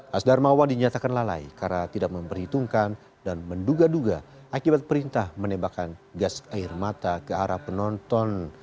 hasdarmawan dinyatakan lalai karena tidak memperhitungkan dan menduga duga akibat perintah menembakkan gas air mata ke arah penonton